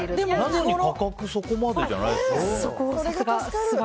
なのに価格はそこまでじゃない？